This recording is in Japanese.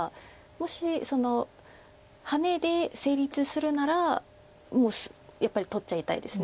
もしハネで成立するならもうやっぱり取っちゃいたいです。